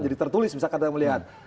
jadi tertulis misalkan anda melihat